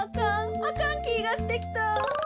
あかんきがしてきた。